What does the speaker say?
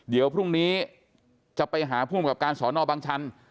เดี๋ยวพรุ่งนี้จะไปหาภูมิกับการสอนอบังชัน